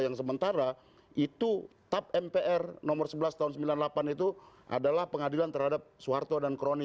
yang sementara itu tap mpr nomor sebelas tahun seribu sembilan ratus sembilan puluh delapan itu adalah pengadilan terhadap soeharto dan kroni